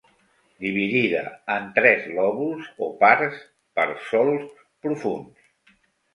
Dividida en tres lòbuls o parts per solcs profunds.